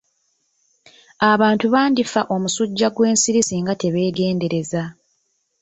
Abantu bandi fa omusujja gw'ensiri singa tebegendereza.